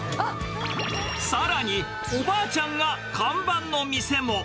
さらに、おばあちゃんが看板の店も。